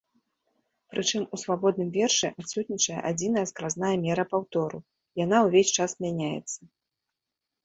Прычым у свабодным вершы адсутнічае адзіная скразная мера паўтору, яна ўвесь час мяняецца.